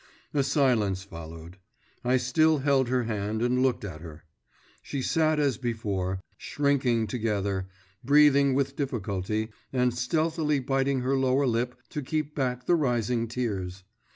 A silence followed. I still held her hand and looked at her. She sat as before, shrinking together, breathing with difficulty, and stealthily biting her lower lip to keep back the rising tears.